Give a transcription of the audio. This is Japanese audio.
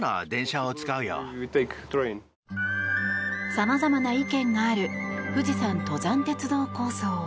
様々な意見がある富士山登山鉄道構想。